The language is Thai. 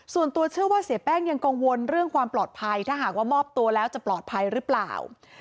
ส่วนตัวเชื่อว่าเสียแป้งยังกังวลเรื่องความปลอดภัยถ้าหากว่ามอบตัวแล้วจะปลอดภัยหรือเปล่า